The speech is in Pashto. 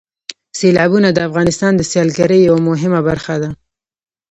سیلابونه د افغانستان د سیلګرۍ یوه مهمه برخه ده.